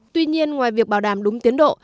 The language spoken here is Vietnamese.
tuy nhiên ngoài việc bảo đảm đúng tiến độ